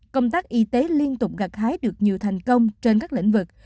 công tác y tế liên tục gạt hái được nhiều thành công trên các lĩnh vực